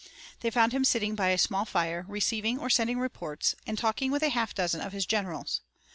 They found him sitting by a small fire receiving or sending reports, and talking with a half dozen of his generals.